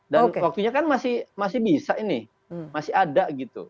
dan waktunya kan masih bisa ini masih ada